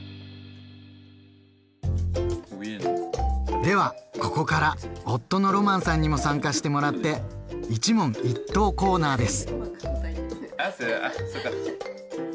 ではここから夫のロマンさんにも参加してもらって一問一答コーナーです！